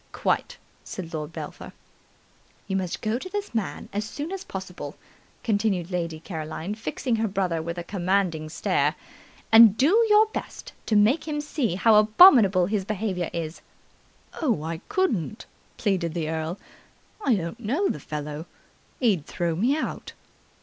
"Quite!" said Lord Belpher. "You must go to this man as soon as possible," continued Lady Caroline, fixing her brother with a commanding stare, "and do your best to make him see how abominable his behaviour is." "Oh, I couldn't!" pleaded the earl. "I don't know the fellow. He'd throw me out."